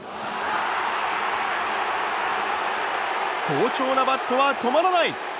好調なバットは止まらない！